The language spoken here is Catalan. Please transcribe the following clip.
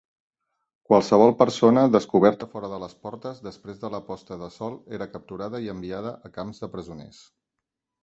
Qualsevol persona descoberta fora de les portes després de la posta de sol era capturada i enviada a camps de presoners.